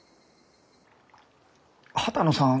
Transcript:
波多野さん